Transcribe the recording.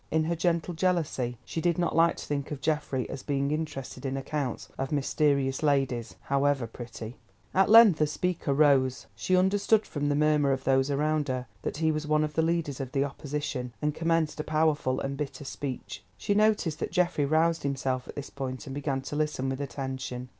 In her gentle jealousy, she did not like to think of Geoffrey as being interested in accounts of mysterious ladies, however pretty. At length a speaker rose—she understood from the murmur of those around her that he was one of the leaders of the Opposition, and commenced a powerful and bitter speech. She noticed that Geoffrey roused himself at this point, and began to listen with attention.